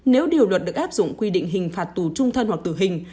nếu điều luật được áp dụng quy định hình phạt tù trung thân hoặc tử hình